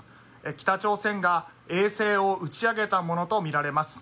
北朝鮮が衛星を打ち上げたものとみられます。